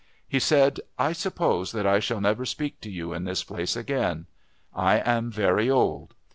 He said, "I suppose that I shall never speak to you in this place again. I am very old.